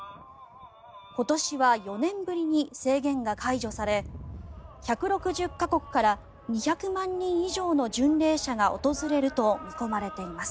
今年は４年ぶりに制限が解除され１６０か国から２００万人以上の巡礼者が訪れると見込まれています。